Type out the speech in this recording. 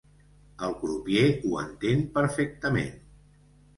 El crupier ho entén perfectament.